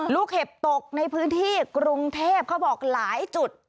เห็บตกในพื้นที่กรุงเทพเขาบอกหลายจุด